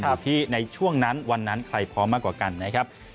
อยู่ที่ในช่วงนั้นวันนั้นใครพร้อมมากกว่ากันนะครับ